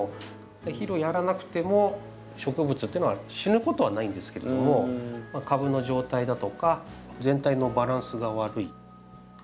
肥料をやらなくても植物っていうのは死ぬことはないんですけれども株の状態だとか全体のバランスが悪い。